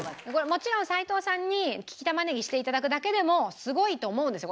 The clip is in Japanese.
もちろん齋藤さんに利き玉ねぎして頂くだけでもすごいと思うんですよ。